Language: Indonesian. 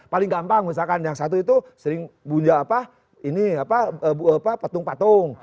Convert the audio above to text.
paling gampang misalkan yang satu itu sering bunja apa ini apa petung petung